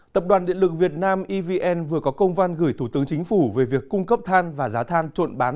tập đoàn điện lực việt nam evn vừa có công văn gửi thủ tướng chính phủ về việc cung cấp than và giá than trộn bán